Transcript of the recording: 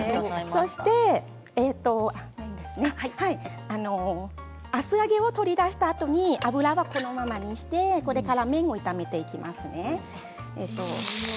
そして厚揚げを取り出したあとに油は、このままにしてこれから麺を炒めていきますね。